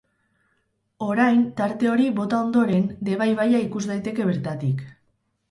Orain, tarte hori bota ondoren, Deba ibaia ikus daiteke bertatik.